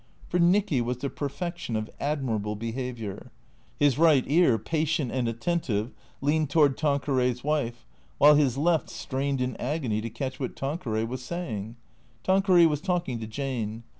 For Nicky was the perfection of admirable behaviour. His right ear, patient and attentive, leaned toward Tanqueray's wife, while his left strained in agony to catch what Tanqueray was saying, Tanqueray was talking to Jane.